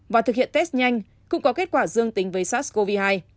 và thực hiện test nhanh cũng có kết quả dương tính với sars cov hai